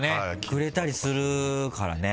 くれたりするからね